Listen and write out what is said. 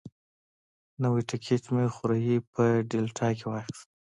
نوی ټکټ مې خوریي په ډیلټا کې واخیست.